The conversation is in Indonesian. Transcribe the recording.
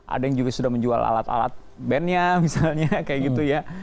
ada yang juga sudah menjual alat alat bandnya misalnya kayak gitu ya